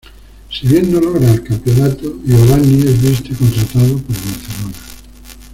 Si bien no logran el campeonato, Giovanni es visto y contratado por el Barcelona.